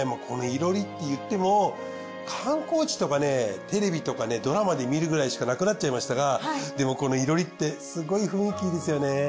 このいろりっていっても観光地とかねテレビとかねドラマで見るくらいしかなくなっちゃいましたがでもこのいろりってすごい雰囲気いいですよね。